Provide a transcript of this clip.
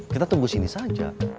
kita tunggu sini saja